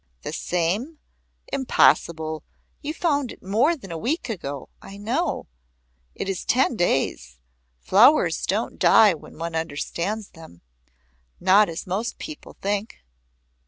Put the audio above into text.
"The same? Impossible. You found it more than a week ago." "I know. It is ten days. Flowers don't die when one understands them not as most people think."